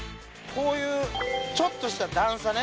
こういうちょっとした段差ね。